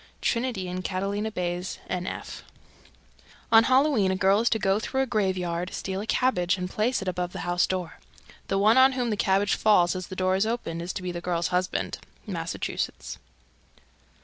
Trinity and Catalina Bays, N.F. 309. On Halloween a girl is to go through a graveyard, steal a cabbage and place it above the house door. The one on whom the cabbage falls as the door is opened is to be the girl's husband. _Massachusetts.